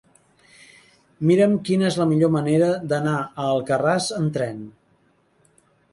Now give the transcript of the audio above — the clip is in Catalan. Mira'm quina és la millor manera d'anar a Alcarràs amb tren.